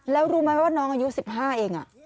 แล้วรู้ไหมว่าน้องอายุ๑๕เอง